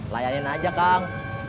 layanin aja kang